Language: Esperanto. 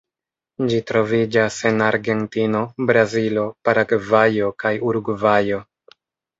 Ĝi troviĝas en Argentino, Brazilo, Paragvajo kaj Urugvajo.